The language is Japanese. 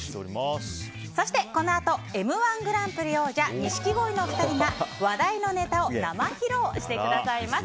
そしてこのあと「Ｍ‐１グランプリ」王者錦鯉の２人が話題のネタを生披露してくださいます。